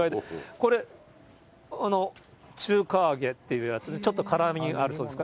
これ、中華揚げっていうやつで、ちょっと辛みがあるそうですが。